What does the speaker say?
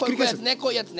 こういうやつね。